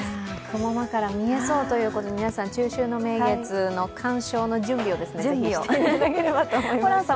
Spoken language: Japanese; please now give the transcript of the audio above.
雲間から見えそうということで、皆さん、中秋の名月の観賞の準備をしていただければと思います。